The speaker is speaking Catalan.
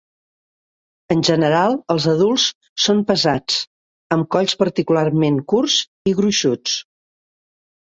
En general els adults són pesats, amb colls particularment curts i gruixuts.